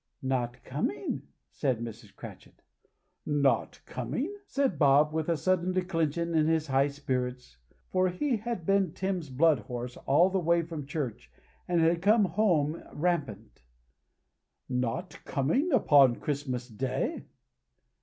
"Not coming," said Mrs. Cratchit. "Not coming!" said Bob, with a sudden declension in his high spirits; for he had been Tim's blood horse all the way from church, and had come home rampant. "Not coming upon Christmas Day!"